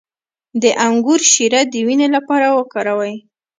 د انګور شیره د وینې لپاره وکاروئ